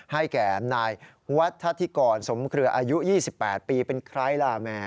ให้แก่นายวัฒนธิกรสมเครืออายุ๒๘ปีเป็นใครล่ะแม่